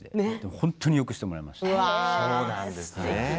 本当によくしてもらいました。